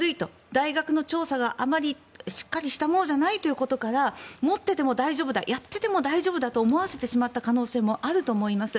大学の調査があまりしっかりしたものじゃないことから持っていても大丈夫だやっていても大丈夫だと思わせてしまった可能性もあると思います。